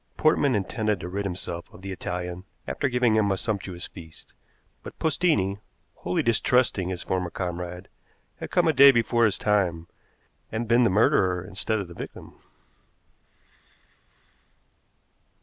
Portman intended to rid himself of the Italian after giving him a sumptuous feast, but Postini, wholly distrusting his former comrade, had come a day before his time, and been the murderer instead of the victim.